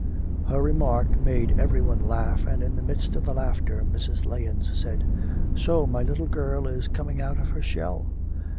Her remark made every one laugh, and in the midst of the laughter Mrs. Lahens said: 'So my little girl is coming out of her shell.'